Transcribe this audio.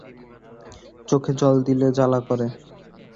চোখে জল দিলে জালা করে।